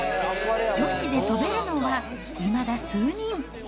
女子で跳べるのはいまだ数人。